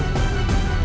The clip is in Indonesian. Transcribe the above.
aku mau ke rumah